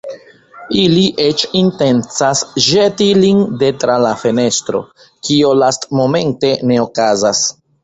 Ili eĉ intencas ĵeti lin de tra la fenestro, kio lastmomente ne okazas.